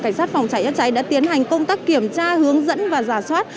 cảnh sát phòng cháy chất cháy đã tiến hành công tác kiểm tra hướng dẫn và giả soát